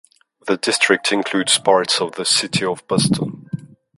The district includes parts of the city of Boston.